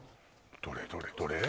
どれどれどれ？